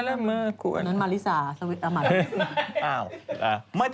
อันนั้นมาริสาสวิตต์อำมาตย์